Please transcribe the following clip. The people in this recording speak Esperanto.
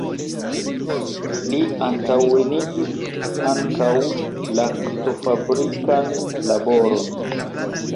Li antaŭenigis ankaŭ laktofabrikan laboron.